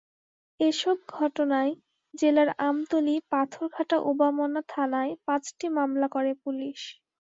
এসব ঘটনায় জেলার আমতলী, পাথরঘাটা ওবামনা থানায় পাঁচটি মামলা করে পুলিশ।